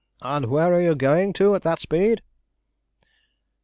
and where are you going to at that speed?"